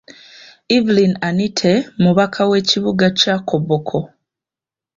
Evelyn Anite mubaka w'ekibuga kya Koboko.